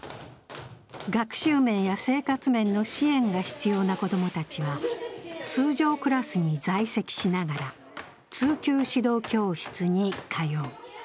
学習面や生活面の支援が必要な子供たちは、通常クラスに在籍しながら通級指導教室に通う。